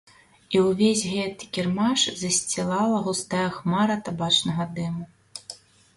І ўвесь гэты кірмаш засцілала густая хмара табачнага дыму.